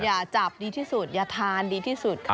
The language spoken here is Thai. อย่าจับดีที่สุดอย่าทานดีที่สุด